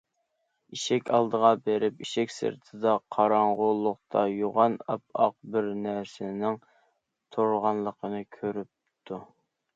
ئىشىك ئالدىغا بېرىپ، ئىشىك سىرتىدا قاراڭغۇلۇقتا يوغان، ئاپئاق بىر نەرسىنىڭ تۇرغانلىقىنى كۆرۈپتۇ.